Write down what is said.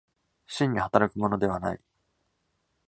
真に働くものではない。